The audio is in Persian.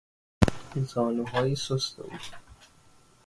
زانوهای سست او